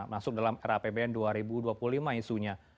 masuk dalam rapbn dua ribu dua puluh lima isunya